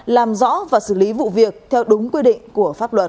làm rõ và xử lý vụ việc theo đúng quy định của pháp luật